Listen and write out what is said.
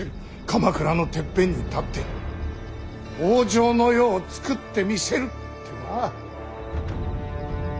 鎌倉のてっぺんに立って北条の世をつくってみせるってな。